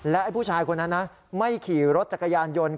และผู้ชายคนนั้นนะไม่ขี่รถจักรยานยนต์